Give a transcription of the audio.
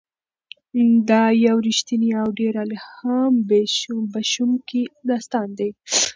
دا یو رښتینی او ډېر الهام بښونکی داستان دی.